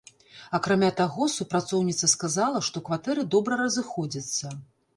Акрамя таго, супрацоўніца сказала, што кватэры добра разыходзяцца.